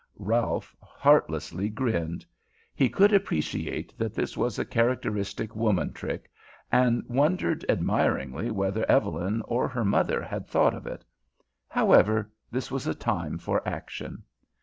Ralph heartlessly grinned. He could appreciate that this was a characteristic woman trick, and wondered admiringly whether Evelyn or her mother had thought of it. However, this was a time for action.